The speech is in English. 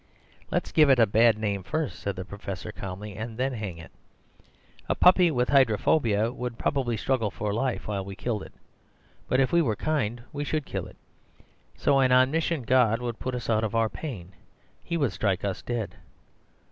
"'Let's give it a bad name first,' said the Professor calmly, 'and then hang it. A puppy with hydrophobia would probably struggle for life while we killed it; but if we were kind we should kill it. So an omniscient god would put us out of our pain. He would strike us dead.